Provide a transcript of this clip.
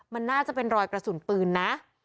มันน่าจะเป็นรอยกระสุนปืนนะ